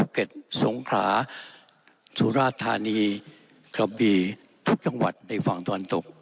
เก็บทรงขาธุราชธานีครับบีทุกจังหวัดในฝั่งตอนตก